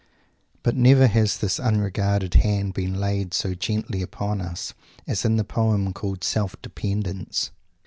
But never has this unregarded hand been laid so gently upon us as in the poem called "Self Dependence."